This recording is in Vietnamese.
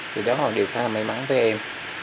điều đó đều khá là may mắn với em